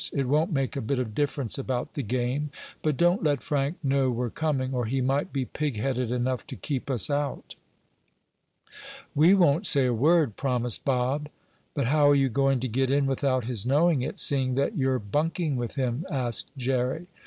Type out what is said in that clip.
It won't make a bit of difference about the game. But don't let Frank know we're coming, or he might be pig headed enough to keep us out." "We won't say a word," promised Bob. "But how are you going to get in without his knowing it, seeing that you're bunking with him?" asked Jerry.